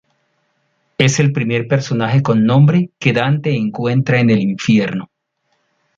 Es el primer personaje con nombre que Dante encuentra en el infierno.